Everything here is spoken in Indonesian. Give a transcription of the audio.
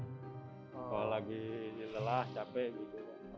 kalau lagi lelah capek gitu